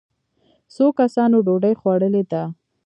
څو کسانو ډوډۍ خوړلې ده.